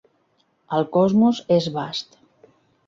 El cosmos és vast.